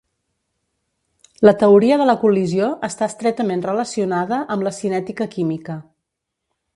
La teoria de la col·lisió està estretament relacionada amb la cinètica química.